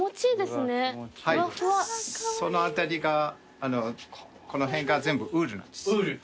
その辺りがこの辺が全部ウールなんです。